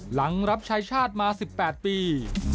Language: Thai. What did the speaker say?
หลังรับชายชาติมา๑๘ปี